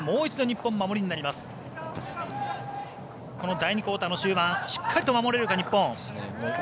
第２クオーターの終盤しっかりと守れるか、日本。